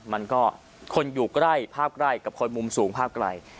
มันก็คนอยู่ใกล้ภาพใกล้กับคนมุมสูงภาพไกล